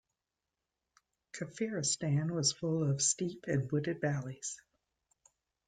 Kafiristan was full of steep and wooded valleys.